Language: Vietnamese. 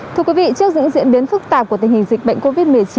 thưa quý vị trước những diễn biến phức tạp của tình hình dịch bệnh covid một mươi chín